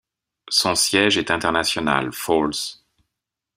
Son siège est International Falls.